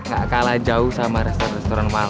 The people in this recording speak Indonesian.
gak kalah jauh sama restoran restoran